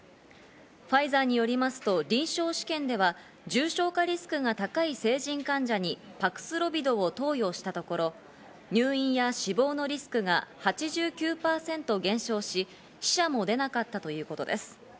ファイザーによりますと、臨床試験では重症化リスクが高い成人患者にパクスロビドを投与したところ、入院や死亡のリスクが８９％減少し、死者も出なかったということです。